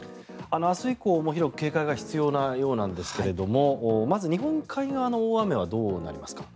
明日以降広く警戒が必要なようですが日本海側の大雨はどうなりますか？